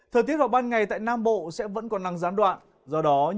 thời tiết vào ban ngày tại nam bộ sẽ vẫn còn nắng gián đoạn